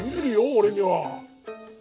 俺には。